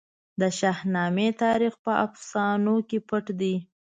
د شاهنامې تاریخ په افسانو کې پټ دی.